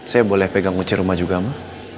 saya boleh pegang kunci rumah juga ma